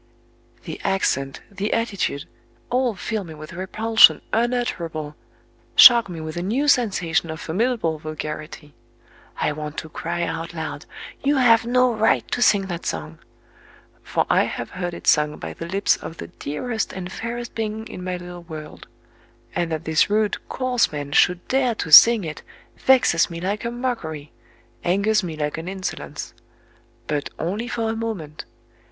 The accent, the attitude, the voice, all fill me with repulsion unutterable,—shock me with a new sensation of formidable vulgarity. I want to cry out loud, "You have no right to sing that song!" For I have heard it sung by the lips of the dearest and fairest being in my little world;—and that this rude, coarse man should dare to sing it vexes me like a mockery,—angers me like an insolence. But only for a moment!...